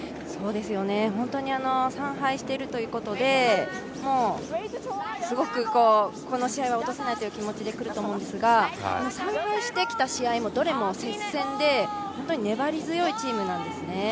そうですよね、３敗しているということでこの試合は落とせないという気持ちでくると思うんですが３敗してきた試合も、それも接戦で粘り強いチームなんですね。